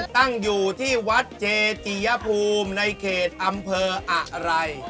ตั้งอยู่ที่วัดเจจิยภูมิในเขตอำเภออะไร